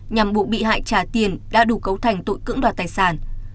nhằm buộc bị hại trả tiền đã đủ cấu thành tội cưỡng đoạt tài sản